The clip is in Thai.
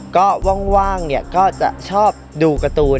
ก็ว่างเนี่ย้ก็จะชอบดูการ์ตูน